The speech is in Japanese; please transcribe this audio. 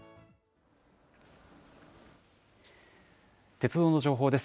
鉄道の情報です。